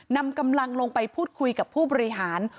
นำกำลังลงไปพูดคุยกับผู้บริหาร